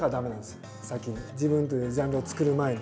自分というジャンルを作る前に。